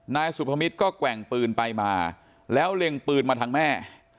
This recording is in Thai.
นายสุพมิตรก็แกว่งปืนไปมาแล้วเล็งปืนมาทางแม่